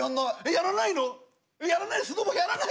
やらない。